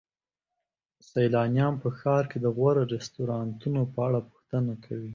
سیلانیان په ښار کې د غوره رستورانتونو په اړه پوښتنه کوي.